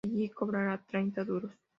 Allí cobraba treinta duros.